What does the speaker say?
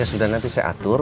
ya sudah nanti saya atur